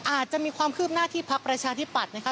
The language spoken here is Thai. อาจจะมีความคืบหน้าที่พักประชาธิปัตย์นะคะ